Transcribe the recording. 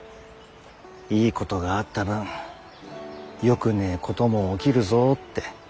いいことがあった分よくねえことも起きるぞって。